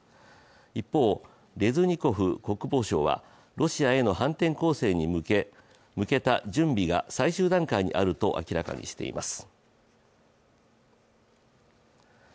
一方、レズニコフ国防相はロシアへの反転攻勢に向けた準備が最終段階にあると明らかにしています。